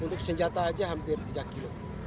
untuk senjata aja hampir tiga kilo